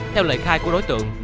theo lời khai của đối tượng